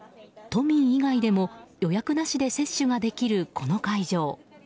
都民以外でも予約なしで接種できるこの会場。